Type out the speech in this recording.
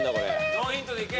・ノーヒントでいけ。